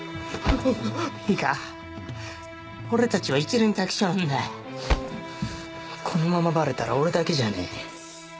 いいか俺たちは一蓮托生なんだこのままバレたら俺だけじゃねぇ